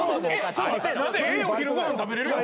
ええお昼ご飯食べれるやん。